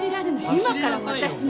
今から私に。